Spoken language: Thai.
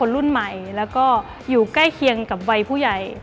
รุ่นใหม่แล้วก็อยู่ใกล้เคียงกับวัยผู้ใหญ่